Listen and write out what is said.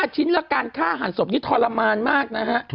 ชิ้นละการฆ่าหันศพนี้ทรมานมากนะฮะ